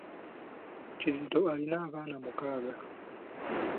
Kizito alina abaana mukaaga.